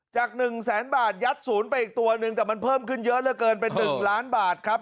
๑แสนบาทยัดศูนย์ไปอีกตัวหนึ่งแต่มันเพิ่มขึ้นเยอะเหลือเกินเป็น๑ล้านบาทครับ